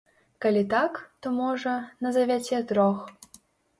Калі так, то, можа, назавяце трох.